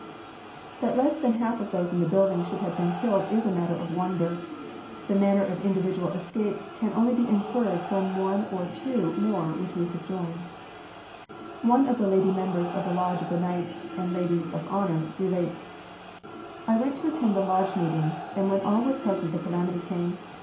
That less than half of those in the building should have been killed is a matter of wonder. The manner of individual escapes can only be inferred from one or two more which we subjoin. One of the lady members of the lodge of the Knights and Ladies of Honor relates: "I went to attend the lodge meeting and when all were present the calamity came.